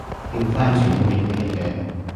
掉返轉亦係一樣